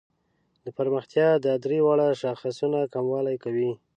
د پرمختیا دا درې واړه شاخصونه کموالي کوي.